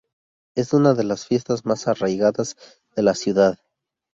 Es una de las fiestas más arraigadas de la ciudad.